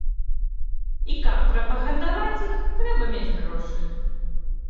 І каб прапагандаваць іх, трэба мець грошы.